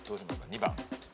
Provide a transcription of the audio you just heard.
２番。